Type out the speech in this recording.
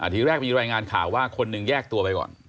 ทีแรกมีรายงานข่าวว่าคนหนึ่งแยกตัวไปก่อน